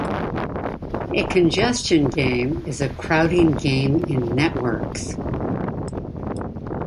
A congestion game is a crowding game in networks.